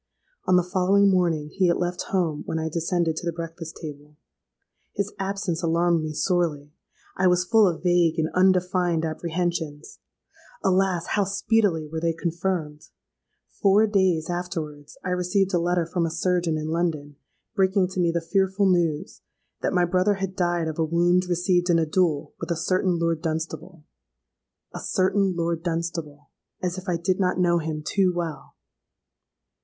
On the following morning he had left home when I descended to the breakfast table. His absence alarmed me sorely; I was full of vague and undefined apprehensions. Alas! how speedily were they confirmed! Four days afterwards I received a letter from a surgeon in London, breaking to me the fearful news 'that my brother had died of a wound received in a duel with a certain Lord Dunstable.'—A certain Lord Dunstable;—as if I did not know him too well!